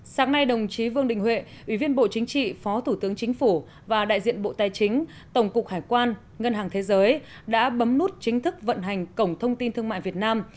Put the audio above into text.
sáng nay đồng chí vương đình huệ ủy viên bộ chính trị phó thủ tướng chính phủ và đại diện bộ tài chính tổng cục hải quan ngân hàng thế giới đã bấm nút chính thức vận hành cổng thông tin thương mại việt nam